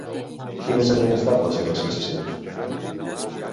Quines havien estat les seves sensacions?